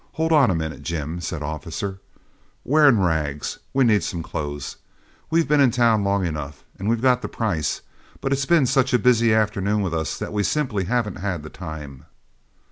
"Hold on a minute, Jim," said Officer. "We're in rags; we need some clothes. We've been in town long enough, and we've got the price, but it's been such a busy afternoon with us that we simply haven't had the time."